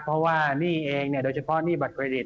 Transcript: เพราะว่าหนี้เองโดยเฉพาะหนี้บัตเครดิต